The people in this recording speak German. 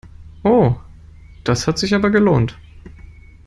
Oh, das hat sich aber gelohnt!